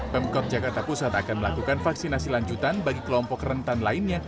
pemkot jakarta pusat akan melakukan vaksinasi lanjutan bagi kelompok rentan lainnya